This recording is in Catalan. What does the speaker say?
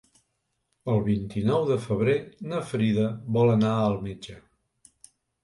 El vint-i-nou de febrer na Frida vol anar al metge.